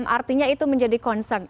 artinya itu menjadi concern